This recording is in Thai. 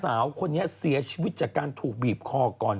สาวร้ายคนนี้เกิดเสียชีวิตจากการถูกบีบข้อกร